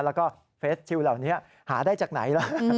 แล้วก็เฟสชิลเหล่านี้หาได้จากไหนล่ะ